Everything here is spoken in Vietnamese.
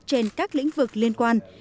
trên các lĩnh vực liên quan